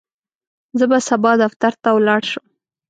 زه به سبا دفتر ته ولاړ شم.